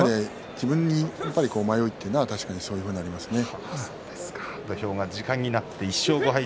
自分に迷っていると確かにそういうふうになりますね。